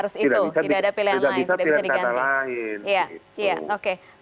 tidak bisa pilihan kata lain